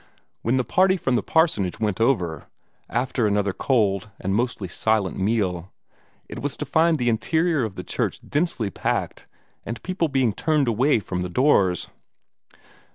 When the party from the parsonage went over after another cold and mostly silent meal it was to find the interior of the church densely packed, and people being turned away from the doors.